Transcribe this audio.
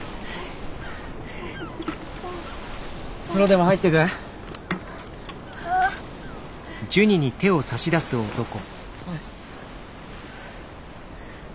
風呂でも入ってく？はあ？ほい。